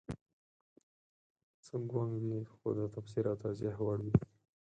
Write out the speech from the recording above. څه ګونګ وي خو د تفسیر او توضیح وړ وي